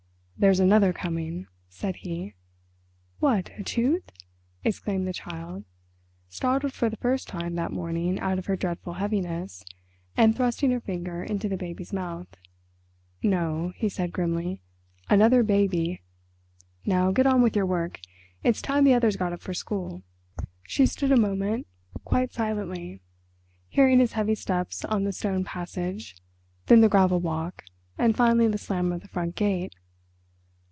"There's another coming," said he. "What—a tooth!" exclaimed the Child, startled for the first time that morning out of her dreadful heaviness, and thrusting her finger into the baby's mouth. "No," he said grimly, "another baby. Now, get on with your work; it's time the others got up for school." She stood a moment quite silently, hearing his heavy steps on the stone passage, then the gravel walk, and finally the slam of the front gate.